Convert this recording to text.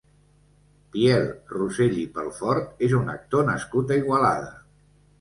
Biel Rossell i Pelfort és un actor nascut a Igualada.